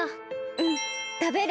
うんたべる！